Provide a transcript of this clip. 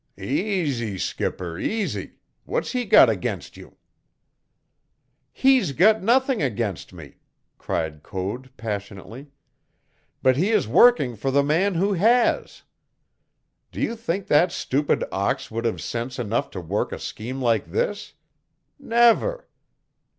"Easy, skipper, easy! What's he got against you?" "He's got nothing against me!" cried Code passionately. "But he is working for the man who has. Do you think that stupid ox would have sense enough to work a scheme like this? Never!